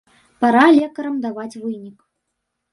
Пара лекарам даваць вынік.